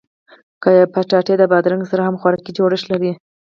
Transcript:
کچالو د بادرنګ سره هم خوراکي جوړښت لري